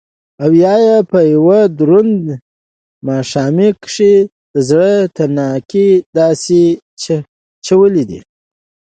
او يا يې په يو دروند ماښامي کښې دزړه تڼاکه داسې چولې ده